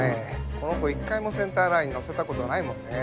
この子一回もセンターラインに乗せたことないもんねぇ。